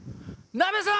なべさん！